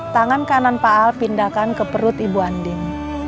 tangan kanan pak al pindahkan ke perut ibu andin